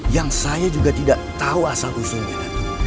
yang saya juga tidak tahu asal usulnya